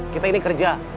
kita ini kerja